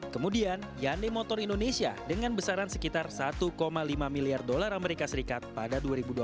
kemudian yande motor indonesia dengan besaran sekitar satu lima miliar dolar amerika serikat pada dua ribu dua puluh